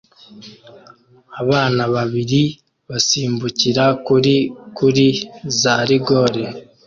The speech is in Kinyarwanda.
Abana babiri basimbukira kuri kuri za rigore